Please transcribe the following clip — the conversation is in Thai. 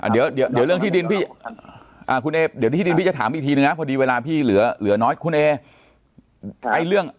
เดี๋ยวเรื่องที่ดินพี่จะถามอีกทีนะพอดีเวลาพี่เหลือน้อยคุณเอ